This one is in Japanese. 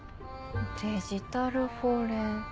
デジタルフォレン。